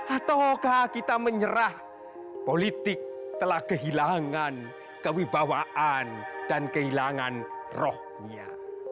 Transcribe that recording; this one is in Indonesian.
ataukah kita menyerah politik telah kehilangan kewibawaan dan kehilangan rohnya